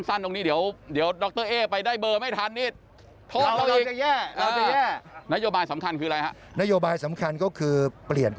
ตรงนี้เดี๋ยวดรเอ๊ไปได้เบอร์ไม่ทันนี่โทษ